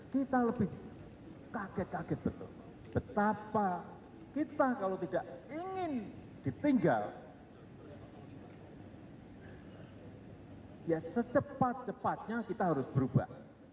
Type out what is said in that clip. kita lebih kaget kaget betul betapa kita kalau tidak ingin ditinggal ya secepat cepatnya kita harus berubah